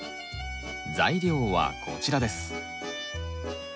材料はこちらです。